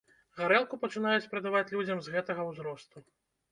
Гарэлку пачынаюць прадаваць людзям з гэтага ўзросту.